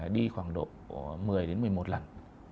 đi khoảng độ một mươi đến một mươi một lần